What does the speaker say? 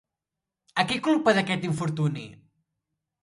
A qui culpa d'aquest infortuni?